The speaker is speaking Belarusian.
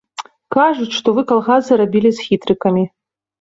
Кажуць, што вы калгасы рабілі з хітрыкамі.